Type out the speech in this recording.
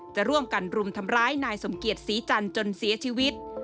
จะร่วมกันรุมทำร้ายนายสมเกียจศรีจันทร์จนเสียชีวิต